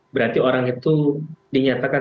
berarti orang itu dinyatakan